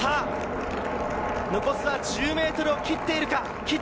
残すは１０ｍを切っているか？